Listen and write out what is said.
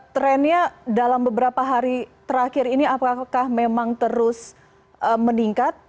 trennya dalam beberapa hari terakhir ini apakah memang terus meningkat